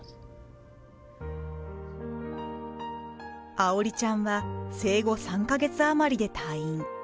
愛織ちゃんは生後３か月あまりで退院。